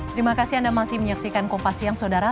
terima kasih anda masih menyaksikan kompas siang saudara